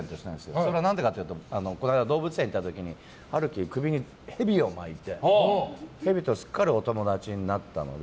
それは何でかというとこの間、動物園行った時に陽喜が首に蛇を巻いてヘビとすっかりお友達になったので。